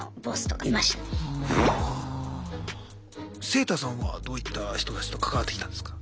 セイタさんはどういった人たちと関わってきたんですか？